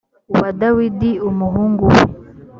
wa dawidi umuhungu we